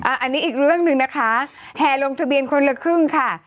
อันนี้อีกเรื่องหนึ่งนะคะแห่ลงทะเบียนคนละครึ่งค่ะ